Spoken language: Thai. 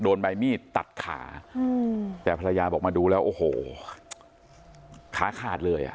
โดนใบมีดตัดขาแต่ภรรยาบอกมาดูแล้วโอ้โหขาขาดเลยอ่ะ